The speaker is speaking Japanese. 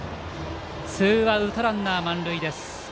ツーアウトランナー、満塁です。